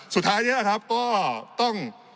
สุดท้ายเนี่ยครับก็ต้อง